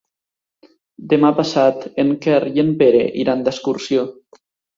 Demà passat en Quer i en Pere iran d'excursió.